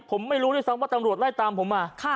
ผมไม่รู้ด้วยซ้ำว่าตำรวจไล่ตามผมมา